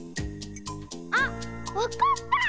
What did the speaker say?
あっわかった！